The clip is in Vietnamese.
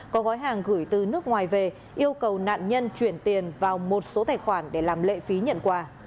có gói hàng gửi từ nước ngoài về yêu cầu nạn nhân chuyển tiền vào một số tài khoản để làm lệ phí nhận quà